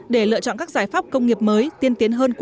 để lựa chọn các giải pháp công nghiệp mới tiên tiến hơn quốc gia